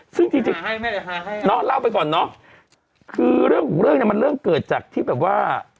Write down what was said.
ซึ่งจริงเนาะเล่าไปก่อนเนอะคือเรื่องของเรื่องเนี่ยมันเริ่มเกิดจากที่แบบว่า